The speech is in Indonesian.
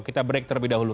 kita break terlebih dahulu